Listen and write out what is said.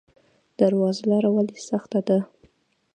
درواز لاره ولې سخته ده؟